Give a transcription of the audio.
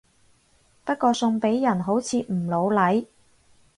不過送俾人好似唔老嚟